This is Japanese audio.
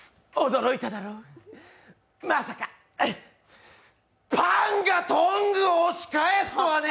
驚いただろ、まさかうっ、パンがトングを押し返すとはね！